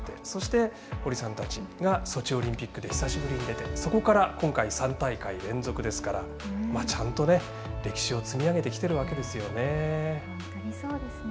そして、堀さんたちがソチオリンピックで久しぶりに出てそこから今回３大会連続ですからちゃんと歴史を積み上げてきてるわけですよね。